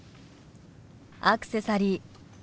アクセサリー